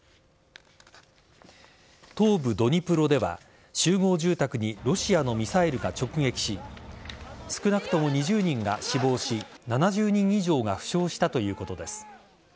東部・ドニプロでは集合住宅にロシアのミサイルが直撃し少なくとも２０人が死亡し７０人以上が負傷したということです。